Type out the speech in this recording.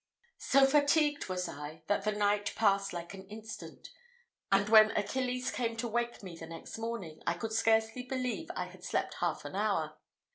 So fatigued was I, that the night passed like an instant; and when Achilles came to wake me the next morning, I could scarcely believe I had slept half an hour.